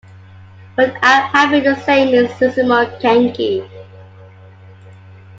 But I am happy to say it means "Itsumo Genki".